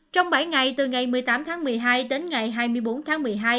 trong bảy ngày từ ngày một mươi tám tháng một mươi hai đến ngày hai mươi bốn tháng một mươi hai